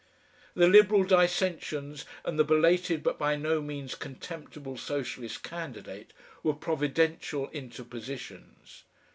The Liberal dissensions and the belated but by no means contemptible Socialist candidate were providential interpositions.